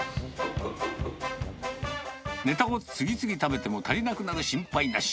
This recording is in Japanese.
ネタを次々と食べても足りなくなる心配なし。